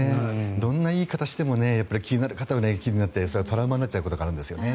どんな言い方しても気になる方は気になってそれはトラウマになることがあるんですよね。